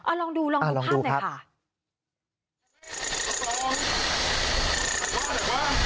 ลองดูลองดูภาพหน่อยค่ะ